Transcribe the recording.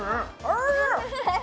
おいしい。